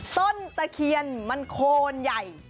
ตะเคียนมันโคนใหญ่